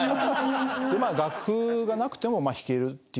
まあ楽譜がなくても弾けるっていうところ。